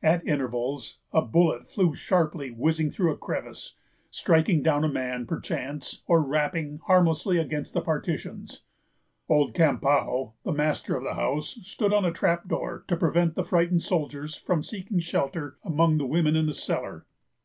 At intervals, a bullet flew sharply whizzing through a crevice, striking down a man, perchance, or rapping harmlessly against the partitions. Old Campau, the master of the house, stood on a trap door to prevent the frightened soldiers from seeking shelter among the women in the cellar.